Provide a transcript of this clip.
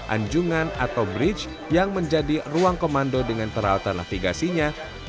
anjungan atau bridge yang menjadi ruang komando dengan peralatan navigasinya